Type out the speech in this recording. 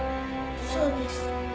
そうです。